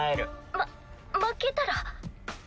ま負けたら？